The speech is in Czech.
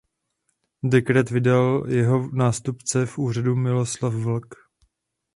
Dekret vydal jeho nástupce v úřadu Miloslav Vlk.